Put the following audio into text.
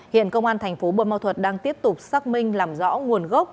hiện công an tp buôn ma thuật đang tiếp tục xác minh làm rõ nguồn gốc